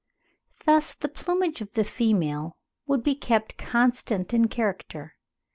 Thus the plumage of the female would be kept constant in character.